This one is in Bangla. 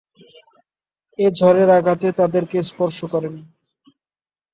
এ ঝড়ের আঘাতে তাদেরকে স্পর্শ করেনি।